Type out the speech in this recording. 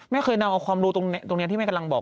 เคยนำเอาความรู้ตรงนี้ที่แม่กำลังบอก